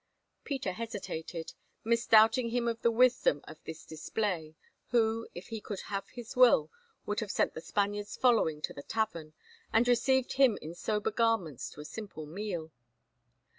Peter hesitated, misdoubting him of the wisdom of this display, who, if he could have his will, would have sent the Spaniard's following to the tavern, and received him in sober garments to a simple meal.